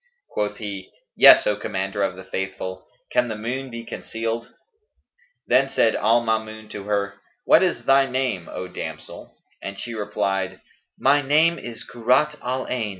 Quoth he, "Yes, O Commander of the Faithful, can the moon be concealed?" Then said al Maamun to her, "What is thy name, O damsel?"; and she replied, "My name is Kurrat al Ayn.